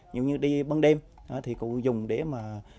như như đi băng đêm thì cụ dùng để mà